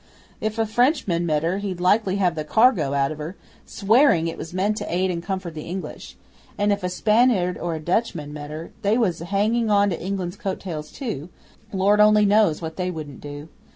If a Frenchman met her he'd, likely, have the cargo out of her, swearing it was meant to aid and comfort the English; and if a Spaniard or a Dutchman met her they was hanging on to England's coat tails too Lord only knows what they wouldn't do!